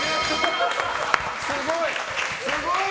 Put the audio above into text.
すごい！